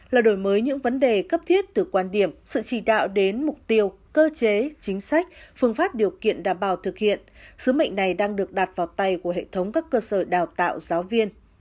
là đổi mới những vấn đề cấp thiết từ quan điểm sự chỉ đạo đến mục tiêu cơ chế chính sách phương pháp điều kiện đảm bảo thực hiện sứ mệnh này đang được đặt vào tay của hệ thống các cơ sở đào tạo giáo viên